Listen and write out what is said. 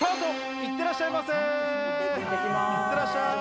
いってらっしゃいませ。